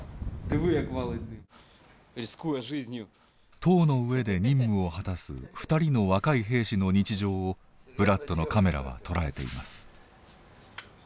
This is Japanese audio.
塔の上で任務を果たす２人の若い兵士の日常をブラッドのカメラは捉えています。